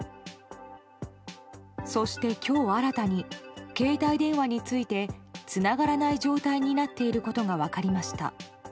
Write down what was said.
そして、今日新たに携帯電話についてつながらない状態になっていることが分かりました。